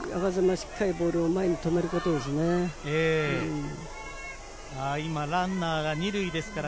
しっかりボールを前に止めることですよね。